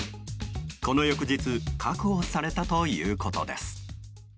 この翌日確保されたということです。